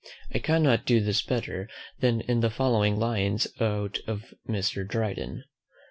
I cannot do this better, than in the following lines out of Mr. Dryden.